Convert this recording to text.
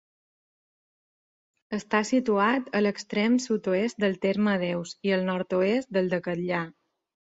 Està situat a l'extrem sud-oest del terme d'Eus i al nord-oest del de Catllà.